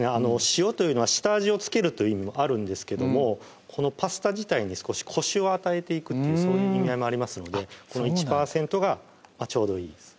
塩というのは下味を付けるという意味もあるんですけどもこのパスタ自体に少しコシを与えていくっていうそういう意味合いもありますので１％がちょうどいいです